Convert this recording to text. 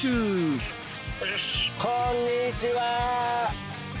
こんにちは！